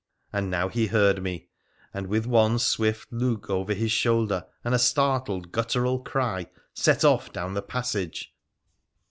And now he heard me, and, with one swift look over his shoulder and a startled guttural cry, set off down the passage.